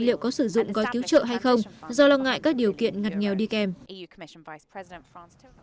liệu có sử dụng gói cứu trợ hay không do lo ngại các điều kiện ngặt nghèo đi kèm